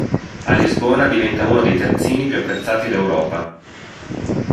A Lisbona diventa uno dei terzini più apprezzati d'Europa.